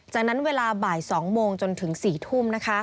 จากนั้นเวลาบ่าย๒โมงจนถึง๔ทุ่ม